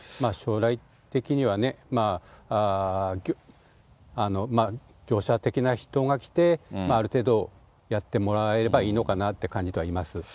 将来的には業者的な人が来て、ある程度、やってもらえればいいのかなって感じではいます。